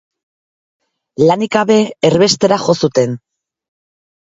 Lanik gabe, erbestera jo zuten.